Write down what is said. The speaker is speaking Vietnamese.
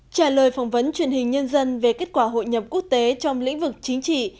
trả lời phỏng vấn truyền hình nhân dân về kết quả hội nhập quốc tế trong lĩnh vực chính trị